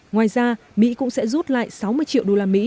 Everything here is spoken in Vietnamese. ngoài ra mỹ cũng sẽ rút lại sáu mươi triệu đô la mỹ